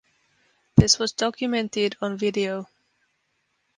This was documented on video.